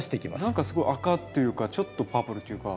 何かすごい赤というかちょっとパープルというか。